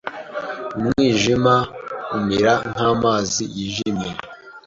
Umwijima umira nk'amazi yijimye